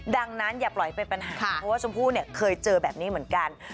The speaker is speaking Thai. ดังนั้นอย่าปล่อยเป็นปัญหาเพราะว่าชมพู่เนี่ยเคยเจอแบบนี้เหมือนกัน